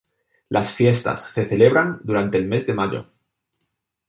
Las fiestas se celebran durante el mes de mayo.